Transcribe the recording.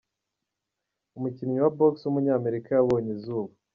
umukinnyi wa Box w’umunyamerika yabonye izuba.